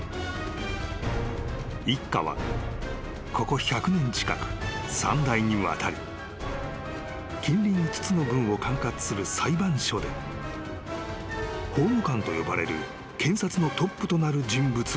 ［一家はここ１００年近く三代にわたり近隣５つの郡を管轄する裁判所で法務官と呼ばれる検察のトップとなる人物を輩出］